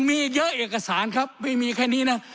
มีเยอะเอกสารครับไม่มีแค่นี้นะ